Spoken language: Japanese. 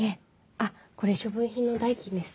あっこれ処分品の代金です。